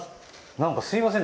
何かすいません